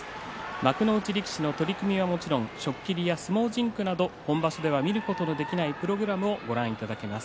幕内力士の取組はもちろん初っ切りや相撲甚句など本場所では見ることのできないプログラムをご覧いただけます。